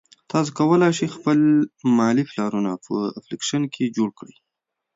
تاسو کولای شئ خپل مالي پلانونه په اپلیکیشن کې جوړ کړئ.